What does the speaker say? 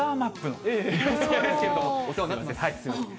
お世話になってます。